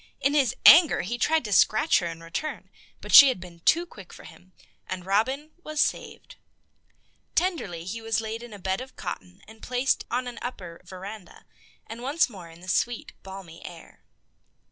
In his anger he tried to scratch her in return, but she had been too quick for him, and Robin was saved. Tenderly he was laid in a bed of cotton and placed on an upper veranda, once more in the sweet, balmy air.